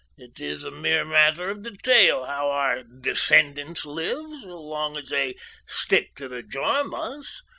It is a mere matter of detail how our descendants live, so long as they stick to the Djarmas.